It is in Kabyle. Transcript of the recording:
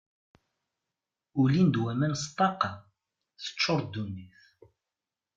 Ulin-d waman s ṭṭaqa, teččuṛ ddunit.